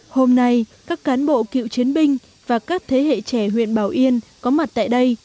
hôm nay các cán bộ cựu chiến binh và các thế hệ trẻ huyện bảo yên có mặt tại đây